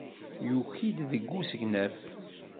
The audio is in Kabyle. Yuki-d deg usegnaf.